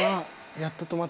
やっと止まった。